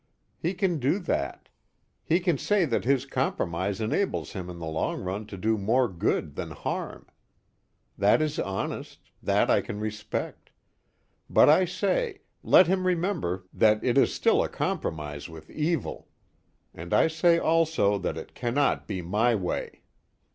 He can do that: he can say that his compromise enables him in the long run to do more good than harm. That is honest; that I can respect. But I say, let him remember that it is still a compromise with evil. And I say also that it cannot be my way.